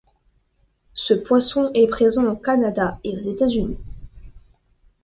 Ce poisson est présent au Canada et aux États-Unis.